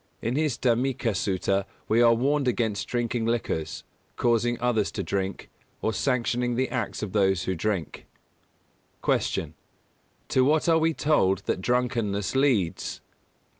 In his Dhammika Sutta we are warned against drinking liquors, causing others to drink, or sanctioning the acts of those who drink. 204. Q. _To what are we told that drunkenness leads?